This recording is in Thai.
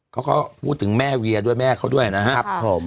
เขาก็พูดถึงแม่เวียด้วยแม่เขาด้วยนะครับผม